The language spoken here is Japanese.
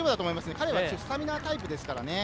彼はスタミナタイプですからね。